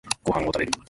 ご飯を食べる